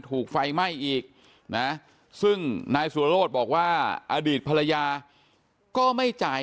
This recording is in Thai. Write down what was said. ถูกไฟไหม้อีกนะซึ่งนายสุโรธบอกว่าอดีตภรรยาก็ไม่จ่าย